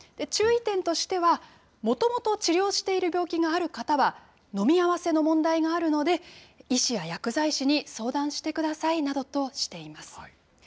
注意点としては、もともと治療している病気がある方は、飲み合わせの問題があるので、医師や薬剤師に相談してくださいなどとしています。